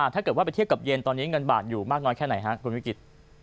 ถ้าเกิดว่าไปเทียบกับเย็นตอนนี้เงินบาทอยู่มากน้อยแค่ไหนครับคุณวิกฤต